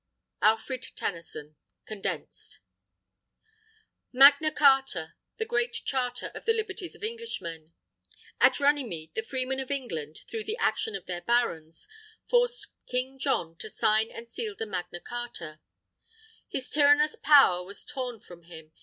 _ ALFRED TENNYSON (Condensed) Magna Carta! The Great Charter of the liberties of Englishmen! At Runnimede, the freemen of England through the action of their Barons, forced King John to sign and seal the Magna Carta. His tyrannous power was torn from him.